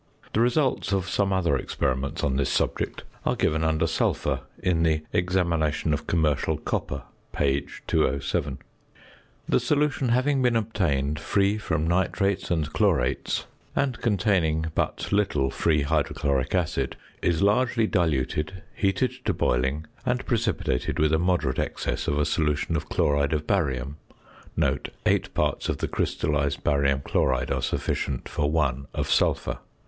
The results of some other experiments on this subject are given under "sulphur" in the "examination of commercial copper," page 207. The solution having been obtained free from nitrates and chlorates (and containing but little free hydrochloric acid), is largely diluted, heated to boiling, and precipitated with a moderate excess of a solution of chloride of barium (8 parts of the crystallized barium chloride are sufficient for 1 of sulphur).